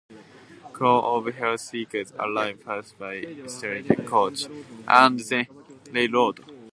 Crowds of health seekers arrived, first by stagecoach and then railroad.